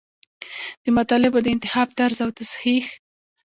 د مطالبو د انتخاب طرز او تصحیح.